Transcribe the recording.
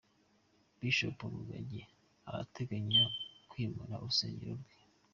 Bishop Rugagi arateganya kwimura urusengero rwe.